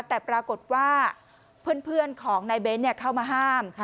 แต่ปรากฏว่าเพื่อนของนายเบ้นเข้ามาห้าม